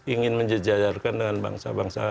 ingin menjejajarkan dengan bangsa bangsa